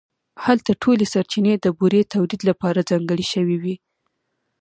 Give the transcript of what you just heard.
هلته ټولې سرچینې د بورې تولید لپاره ځانګړې شوې وې